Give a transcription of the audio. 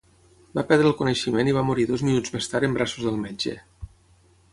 Va perdre el coneixement i va morir dos minuts més tard en braços del metge.